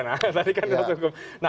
nah dari badan otorita